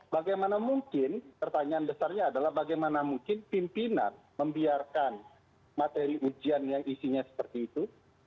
bagaimana mungkin pertanyaan besarnya adalah bagaimana mungkin pimpinan membiarkan materi ujian yang isinya seperti itu